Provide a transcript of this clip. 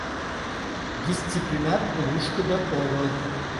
Дисциплинат лушкыдо огыл.